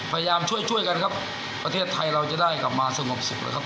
พยายามช่วยช่วยกันครับประเทศไทยเราจะได้กลับมาสงบสุขนะครับ